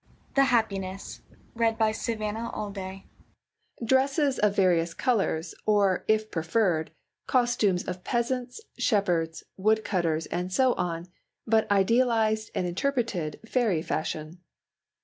THE HAPPINESSES OF THE HOME. Dresses of various colours, or, if preferred, costumes of peasants, shepherds, wood cutters and so on, but idealised and interpreted fairy fashion.